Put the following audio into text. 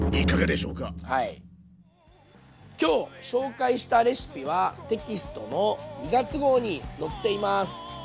今日紹介したレシピはテキストの２月号に載っています。